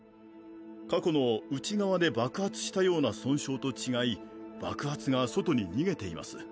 過去の内側で爆発したような損傷と違い爆発が外に逃げています。